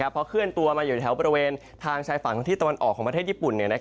พอเคลื่อนตัวมาอยู่แถวบริเวณทางชายฝั่งที่ตะวันออกของประเทศญี่ปุ่น